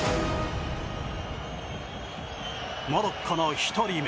モロッコの１人目。